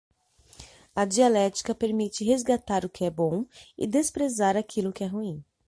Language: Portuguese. A dialética permite resgatar o que é bom e desprezar aquilo que é ruim